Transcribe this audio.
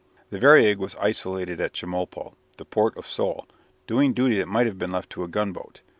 The "Variag" was isolated at Chemulpo, the port of Seoul, doing duty that might have been left to a gunboat.